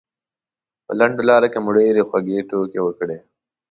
په لنډه لاره کې مو ډېرې خوږې ټوکې وکړې.